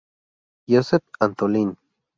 Joseph Antolín.